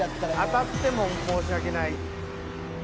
当たっても申し訳ない。